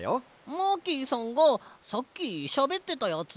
マーキーさんがさっきしゃべってたやつ？